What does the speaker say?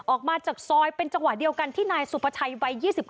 ออกมาจากซอยเป็นจังหวะเดียวกันที่นายสุภาชัยวัย๒๙